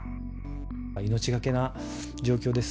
命懸けな状況です。